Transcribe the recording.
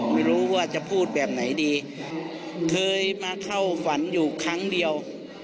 ไม่รู้ว่าจะพูดแบบไหนดีเคยมาเข้าฝันอยู่ครั้งเดียว